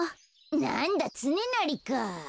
なんだつねなりか。